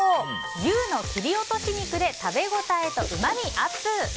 牛の切り落とし肉で食べ応えとうまみＵＰ！